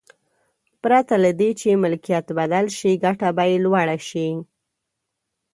پرته له دې چې ملکیت بدل شي ګټه به یې لوړه شي.